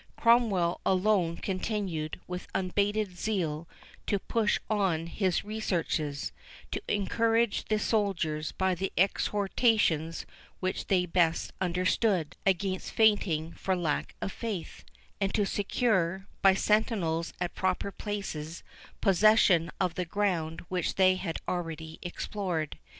Cromwell alone continued, with unabated zeal, to push on his researches—to encourage the soldiers, by the exhortations which they best understood, against fainting for lack of faith—and to secure, by sentinels at proper places, possession of the ground which they had already explored.